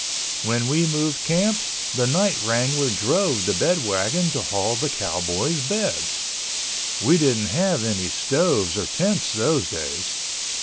When we moved camp, the night wrangler drove the bedwagon to haul the cowboys' beds. We didn't have any stoves or tents those days.